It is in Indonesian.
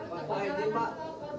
pak edwin pak